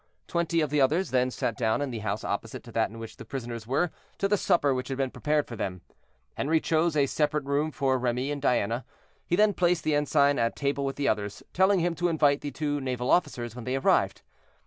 Twenty of the others then sat down in the house opposite to that in which the prisoners were, to the supper which had been prepared for them. Henri chose a separate room for Remy and Diana; he then placed the ensign at table with the others, telling him to invite the two naval officers when they arrived.